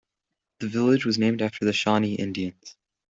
The village was named after the Shawnee Indians.